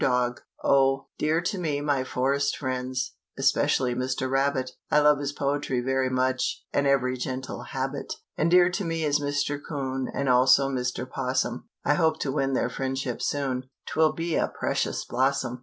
DOG. Oh, dear to me my forest friends, Especially Mr. Rabbit I love his poetry very much, And every gentle habit. And dear to me is Mr. 'Coon, And also Mr. 'Possum; I hope to win their friendship soon 'Twill be a precious blossom.